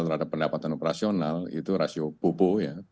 terhadap pendapatan operasional itu rasio bobo ya